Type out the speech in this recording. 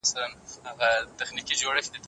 خو وروسته انګریزانو کابل ونیو.